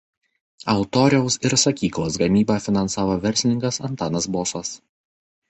Altoriaus ir sakyklos gamybą finansavo verslininkas Antanas Bosas.